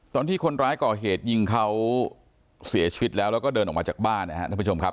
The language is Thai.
ตอนที่คนร้ายก่อเหตุยิงเขาเสียชีวิตแล้วแล้วก็เดินออกมาจากบ้านนะครับท่านผู้ชมครับ